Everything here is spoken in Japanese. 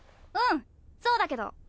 うんそうだけど。